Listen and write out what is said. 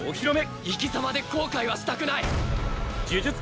生き様で後悔はしたくない！